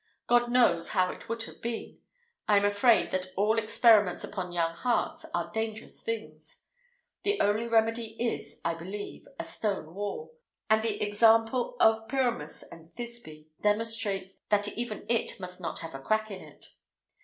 God knows how it would have been! I am afraid that all experiments upon young hearts are dangerous things. The only remedy is, I believe, a stone wall; and the example of Pyramus and Thisbe demonstrates that even it must not have a crack in it.